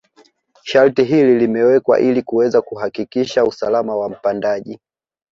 Sharti hili limewekwa ili kuweza kuhakikisha usalama wa mpandaji